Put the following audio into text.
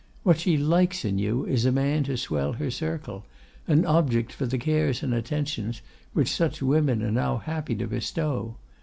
What she likes in you is a man to swell her circle, an object for the cares and attentions which such women are now happy to bestow.